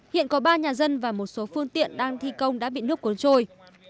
hiện có ba nhà dân và một số phương tiện đang thi công đã bị nước cuốn trôi